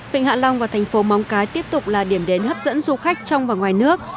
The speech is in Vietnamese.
vịnh hạ long và thành phố móng cái tiếp tục là điểm đến hấp dẫn du khách trong và ngoài nước